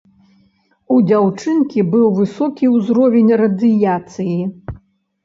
У дзяўчынкі быў высокі ўзровень радыяцыі.